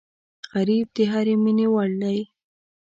غریب د هرې مینې وړ دی